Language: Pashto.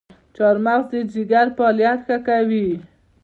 چارمغز د ځیګر فعالیت ښه کوي.